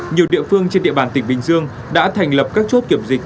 nhiều địa phương trên địa bàn tỉnh bình dương đã thành lập các chốt kiểm dịch